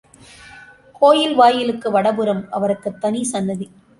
கோயில் வாயிலுக்கு வடபுறம், அவருக்குத் தனி சந்நிதி.